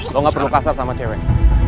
lo gak perlu kasar sama cewek